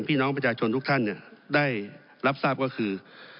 พี่น้องประชาชนทุกท่านได้รับทราบก็คือ